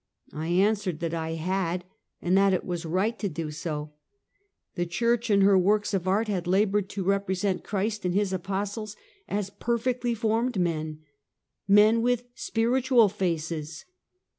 I answered that 1 had, and that it was right to do so. The Church, in her works of art, had labored to represent Christ and his apostles as perfectly formed men — men with spiritual faces.